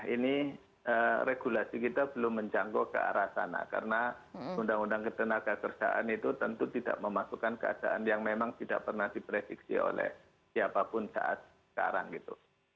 ini regulasi kita belum menjangkau ke arah sana karena undang undang ketenagakerjaan itu tentu tidak memasukkan keadaan yang memang tidak pernah diprediksi oleh siapapun saat sekarang gitu